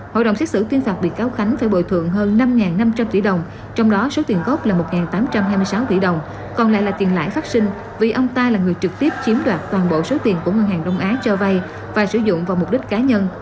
hội đồng xét xử tuyên phạt bị cáo khánh phải bồi thường hơn năm năm trăm linh tỷ đồng trong đó số tiền gốc là một tám trăm hai mươi sáu tỷ đồng còn lại là tiền lãi phát sinh vì ông ta là người trực tiếp chiếm đoạt toàn bộ số tiền của ngân hàng đông á cho vay và sử dụng vào mục đích cá nhân